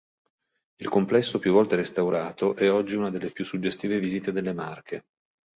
Il complesso, più volte restaurato, è oggi una delle più suggestive viste delle Marche.